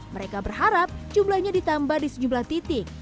mereka berharap jumlahnya ditambah di sejumlah titik